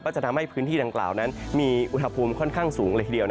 จะทำให้พื้นที่ดังกล่าวนั้นมีอุณหภูมิค่อนข้างสูงเลยทีเดียว